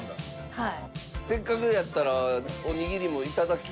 はい。